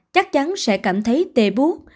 chắc chắn sẽ cảm thấy tê bút